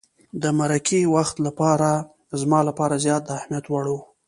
د مرکې وخت زما لپاره زیات د اهمیت وړ وو.